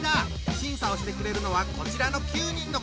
審査をしてくれるのはこちらの９人の子どもたち。